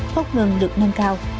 thốt ngừng được nâng cao